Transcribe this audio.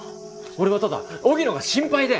俺はただ荻野が心配で。